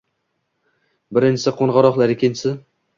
Birinchisi qoʻngʻiroqlar, ikkinchisi